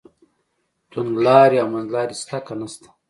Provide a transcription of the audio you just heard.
توندلاري او منځلاري شته که نشته.